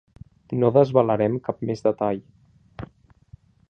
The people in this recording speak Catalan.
No desvelarem cap més detall.